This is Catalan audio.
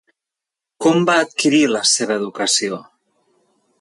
Com va adquirir la seva educació?